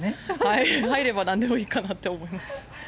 入ればなんでもいいかなと思います。